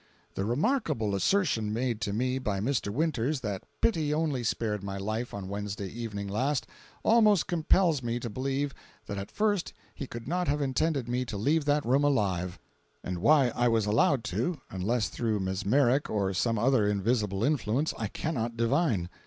The remarkable assertion made to me by Mr. Winters, that pity only spared my life on Wednesday evening last, almost compels me to believe that at first he could not have intended me to leave that room alive; and why I was allowed to, unless through mesmeric or some other invisible influence, I cannot divine.